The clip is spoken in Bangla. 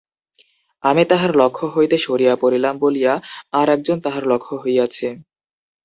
আমি তাহার লক্ষ্য হইতে সরিয়া পড়িলাম বলিয়া আর একজন তাহার লক্ষ্য হইয়াছে।